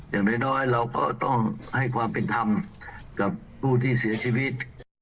อย่างน้อยเราก็ต้องให้ความเป็นธรรมกับผู้ที่เสียชีวิต